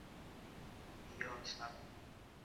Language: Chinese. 本方归于足少阴肾经药。